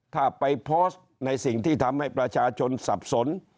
ถ้าไปโพสต์ในสิ่งที่ทำให้ประชาชนสับสน